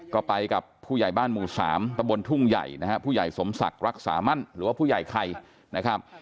ก็ไปกับผู้ใหญ่บ้านหมู่สามตะบนทุ่งใหญ่นะฮะผู้ใหญ่สมศักดิ์รักษามั่นหรือว่าผู้ใหญ่ไข่นะครับ